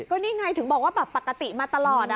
ก็นี่ไงถึงบอกว่าแบบปกติมาตลอด